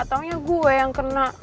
taunya gue yang kena